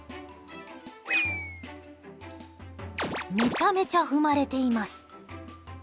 めちゃめちゃ踏まれています。